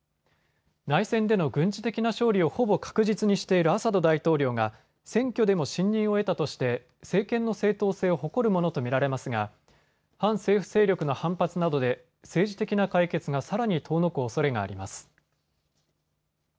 内戦での軍事的な勝利をほぼ確実にしているアサド大統領が選挙でも信任を得たとして政権の正統性を誇るものと見られますが反政府勢力の反発などで政治的な解決がさらに遠のくおそれがあります。